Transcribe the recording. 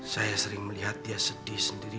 saya sering melihat dia sedih sendiri